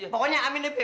pokoknya amin bebe